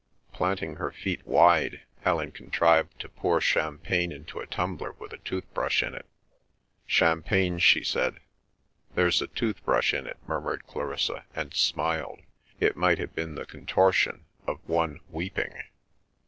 Planting her feet wide, Helen contrived to pour champagne into a tumbler with a tooth brush in it. "Champagne," she said. "There's a tooth brush in it," murmured Clarissa, and smiled; it might have been the contortion of one weeping.